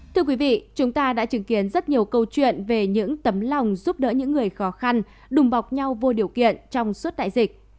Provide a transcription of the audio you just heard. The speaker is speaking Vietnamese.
thưa quý vị chúng ta đã chứng kiến rất nhiều câu chuyện về những tấm lòng giúp đỡ những người khó khăn đùm bọc nhau vô điều kiện trong suốt đại dịch